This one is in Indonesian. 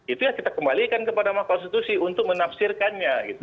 itulah kita kembalikan kepada mahkostitusi untuk menafsirkannya